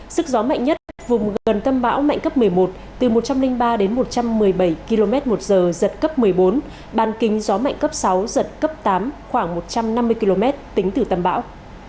sức gió mạnh nhất vùng gần tâm bão mạnh cấp một mươi một từ một trăm linh ba đến một trăm một mươi bảy km một giờ giật cấp một mươi bốn ban kính gió mạnh cấp sáu giật cấp tám khoảng một trăm năm mươi km tính từ tâm bão